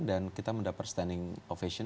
dan kita mendapat standing ovation